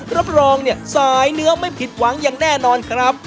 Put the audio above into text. รับรองเนี่ยสายเนื้อไม่ผิดหวังอย่างแน่นอนครับ